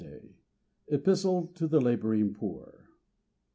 EPISTLE TO THE LABOURING POOR.